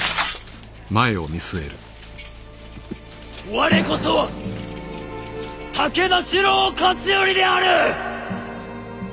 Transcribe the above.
我こそは武田四郎勝頼である！